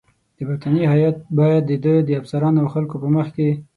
د برټانیې هیات باید د ده د افسرانو او خلکو په مخ کې.